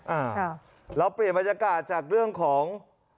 อ่าเราเปลี่ยนบรรยากาศจากเรื่องของ